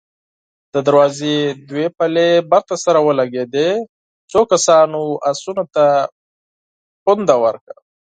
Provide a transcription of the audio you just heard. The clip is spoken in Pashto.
د دروازې دوې پلې بېرته سره ولګېدې، څو کسانو آسونو ته پونده ورکړه.